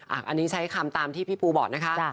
อันนี้ใช้คำตามที่พี่ปูบอกนะคะ